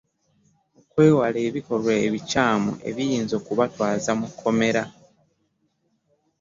Okwewala ebikolwa ebikyamu ebiyinza okubatwaza mu makomera